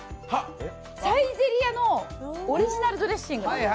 サイゼリヤのオリジナルドレッシング。